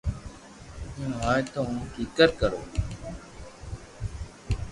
ايم ھوئي تو ھون ڪيڪر ڪرو